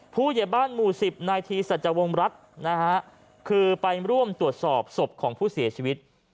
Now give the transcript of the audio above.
ผู้ใหญ่บ้านหมู่๑๐นายทีสัจวงรัฐนะฮะคือไปร่วมตรวจสอบศพของผู้เสียชีวิต